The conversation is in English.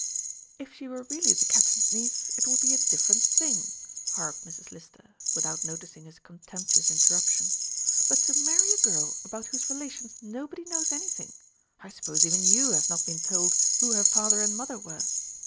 "If she were really the Captain's niece, it would be a different thing," harped Mrs. Lister, without noticing this contemptuous interruption; "but to marry a girl about whose relations nobody knows anything! I suppose even you have not been told who her father and mother were."